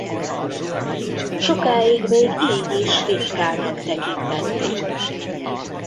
Sokáig még így is ritkának tekintették.